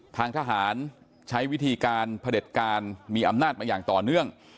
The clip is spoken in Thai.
ทางทหารใช้วิธีการเผด็จการมีอำนาจมาอย่างต่อเนื่อง